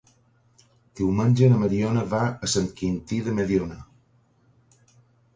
Diumenge na Mariona va a Sant Quintí de Mediona.